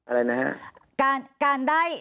อะไรนะครับ